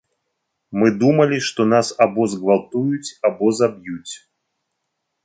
Мы думалі, што нас або згвалтуюць або заб'юць.